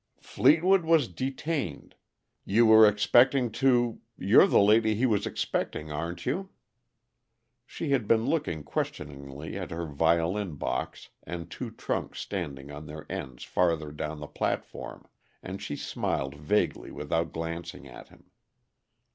"Fleetwood was detained. You were expecting to you're the lady he was expecting, aren't you?" She had been looking questioningly at her violin box and two trunks standing on their ends farther down the platform, and she smiled vaguely without glancing at him.